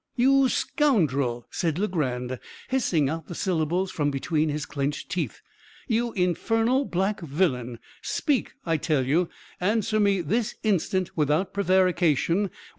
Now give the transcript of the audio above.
"You scoundrel!" said Legrand, hissing out the syllables from between his clinched teeth "you infernal black villain! speak, I tell you! answer me this instant, without prevarication!